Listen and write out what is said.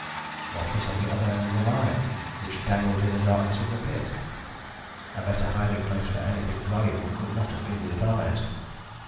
What was at the other end of the line, which dangled in the darkness of the pit? A better hiding place for anything valuable could not have been devised.